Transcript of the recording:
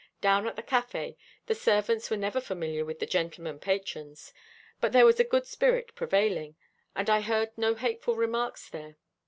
Down at the café, the servants were never familiar with the gentlemen patrons, but there was a good spirit prevailing, and I heard no hateful remarks there.